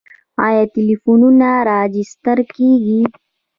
آیا ټلیفونونه راجستر کیږي؟